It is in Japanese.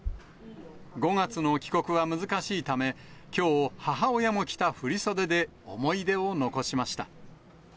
５月の帰国は難しいため、きょう、母親も着た振り袖で思い出を残しました。